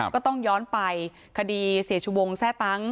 ก็ต้องย้อนไปคดีเสียชูวงแทร่ตั้ง